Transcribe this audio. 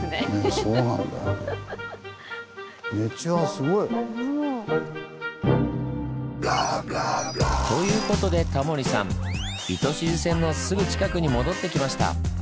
そうなんだよ。ということでタモリさん糸静線のすぐ近くに戻ってきました。